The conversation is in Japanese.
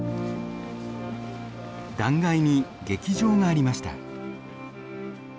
断崖に劇場がありました。